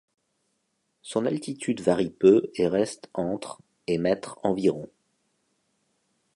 Son altitude varie peu et reste entre et mètres environ.